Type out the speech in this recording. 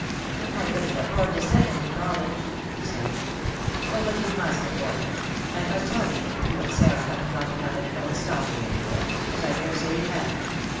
. "I couldn't afford to send him to college," he said. " Oh, but you must afford it. I must help you, if you and Sarah haven't got enough in an old stocking any where— as I dare say you have.